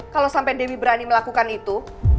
kalo sampe dewi berani melakukan itu